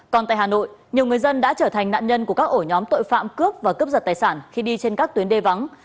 còn tại hà nội nhiều người dân đã trở thành nạn nhân của các ổ nhóm tội phạm cướp và cướp giật tài sản khi đi trên các tuyến đê vắng